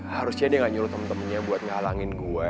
harusnya dia gak nyuruh temen temennya buat ngalangin gue